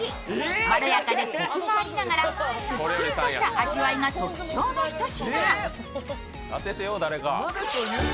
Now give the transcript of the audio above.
まろやかでこくがありながらすっきりとした味わいが特徴のひと品。